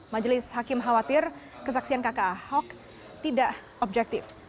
majelis hakim khawatir kesaksian kakak ahok tidak objektif